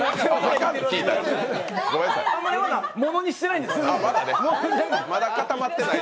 あまり、まだものにしてないんですよ。